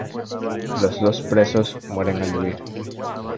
Los dos presos mueren al huir.